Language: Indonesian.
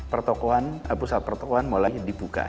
pusat pertokohan mulai dibuka